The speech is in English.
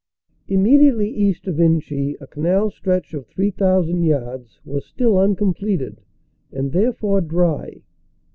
Immediately east of Inchy a canal stretch of 3,000 yards was still uncompleted, and therefore dry.